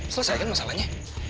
selesai kan masalahnya